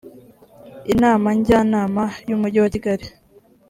inama njyanama y’umujyi wa kigali